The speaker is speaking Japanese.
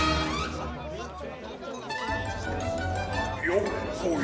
よっこい